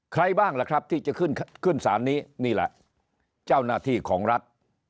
ใครบ้างล่ะครับที่จะขึ้นขึ้นศาลนี้นี่แหละเจ้าหน้าที่ของรัฐ